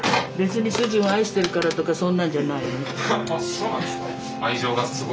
そうなんですか？